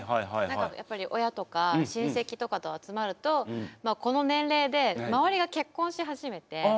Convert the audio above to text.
やっぱり親とか親戚とかと集まるとこの年齢で周りが結婚し始めて。